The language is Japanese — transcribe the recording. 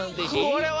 これは。